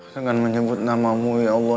dengan menyebut namamu ya allah